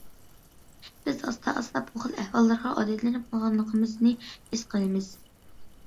بىز ئاستا- ئاستا بۇ خىل ئەھۋاللارغا ئادەتلىنىپ قالغانلىقىمىزنى ھېس قىلىمىز.